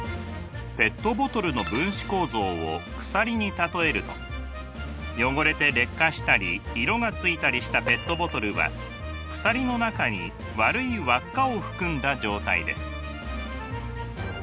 ペットボトルの分子構造を鎖に例えると汚れて劣化したり色がついたりしたペットボトルは鎖の中に悪い輪っかを含んだ状態です。